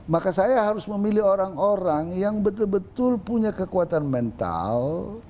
maka saya harus memilih orang orang yang betul betul punya kekuatan mental